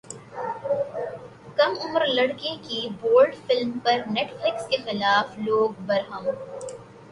کم عمر لڑکی کی بولڈ فلم پر نیٹ فلیکس کے خلاف لوگ برہم